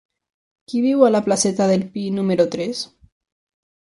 Qui viu a la placeta del Pi número tres?